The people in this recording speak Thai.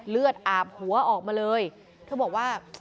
เลือดอาบหัวออกมาเลยเธอบอกว่า